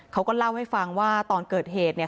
เขาก็เล่าให้ฟังว่าตอนเกิดเหตุเนี่ย